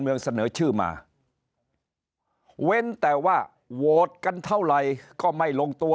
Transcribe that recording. เสนอชื่อมาเว้นแต่ว่าโหวตกันเท่าไหร่ก็ไม่ลงตัว